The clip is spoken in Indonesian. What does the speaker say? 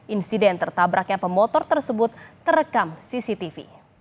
insiden tertabraknya pemotor tersebut terekam cctv